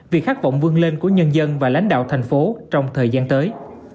vì khát vọng vươn lên của nhân dân và lãnh đạo thành phố trong thời gian tới